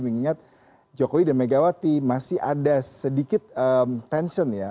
mengingat jokowi dan megawati masih ada sedikit tension ya